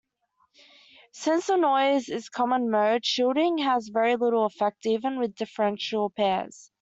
Since the noise is common-mode, shielding has very little effect, even with differential pairs.